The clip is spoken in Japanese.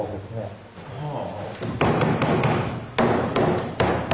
はあ。